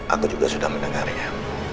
aku juga sudah mendengarnya